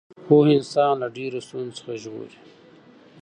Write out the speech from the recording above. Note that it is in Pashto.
پوهه انسان له ډېرو ستونزو څخه ژغوري.